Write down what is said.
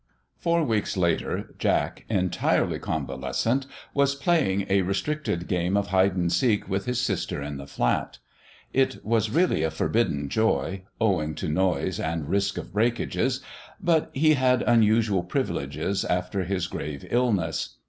Four weeks later Jack, entirely convalescent, was playing a restricted game of hide and seek with his sister in the flat. It was really a forbidden joy, owing to noise and risk of breakages, but he had unusual privileges after his grave illness.